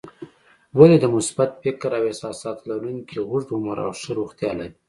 ولې د مثبت فکر او احساساتو لرونکي اوږد عمر او ښه روغتیا لري؟